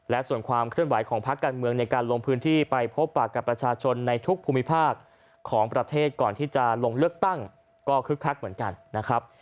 และส่วนความเคลื่อนไหวของพักการเมืองในการลงพื้นที่ไปพบปากกับประชาชนในทุกภูมิภาคของประเทศก่อนที่จะลงเลือกตั้งก็คึกคักเหมือนกันนะครับ